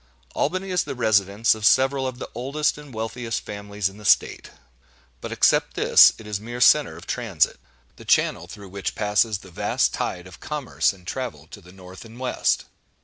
Albany is the residence of several of the oldest and wealthiest families in the State; but except this, it is a mere centre of transit—the channel through which passes the vast tide of commerce and travel to the north and west.